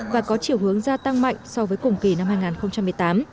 và có chiều hướng gia tăng mạnh so với cùng kỳ năm hai nghìn một mươi tám